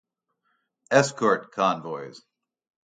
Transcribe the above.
Escort Convoys.